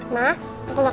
ma aku mau kenyang